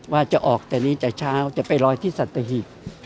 ว่าจะออกแต่นี้แต่เช้าจะไปลอยที่สัตหีบ